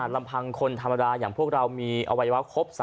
ลำพังคนธรรมดาอย่างพวกเรามีอวัยวะครบ๓